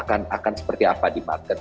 akan seperti apa di market